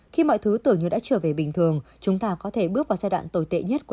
hai nghìn hai mươi hai khi mọi thứ tưởng như đã trở về bình thường chúng ta có thể bước vào giai đoạn tồi tệ nhất của